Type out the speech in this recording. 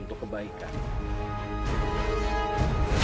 aku mau menjadi muridmu